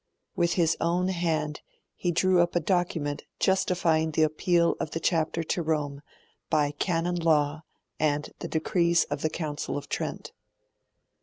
With his own hand he drew up a document justifying the appeal of the Chapter to Rome by Canon Law and the decrees of the Council of Trent.